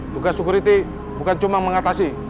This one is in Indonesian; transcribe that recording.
juga security bukan cuma mengatasi